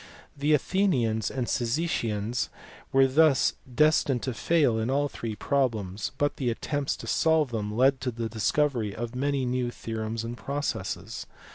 The Athenians and Cyzicians were thus destined to fail in all three problems, but the attempts to solve them led to the discovery of many new theorems and processes.